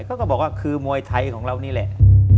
ก็บอกว่าคือมวยไทยของเรานี่แหละ